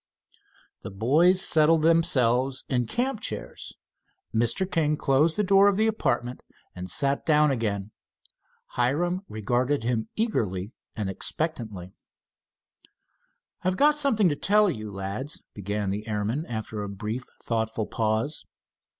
The boys settled themselves in camp chairs, Mr. King closed the door of the apartment and sat down again. Hiram regarded him eagerly and expectantly. "I've got something to tell you, lads," began the airman, after a brief thoughtful pause.